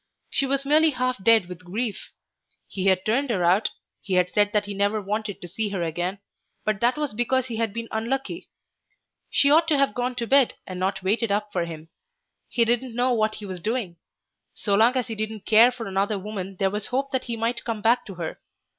She was merely half dead with grief. He had turned her out, he had said that he never wanted to see her again, but that was because he had been unlucky. She ought to have gone to bed and not waited up for him; he didn't know what he was doing; so long as he didn't care for another woman there was hope that he might come back to her.